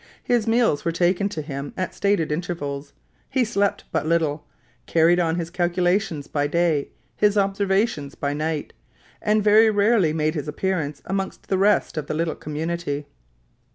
His meals were taken to him at stated intervals; he slept but little; carried on his calculations by day, his observations by night, and very rarely made his appearance amongst the rest of the little community.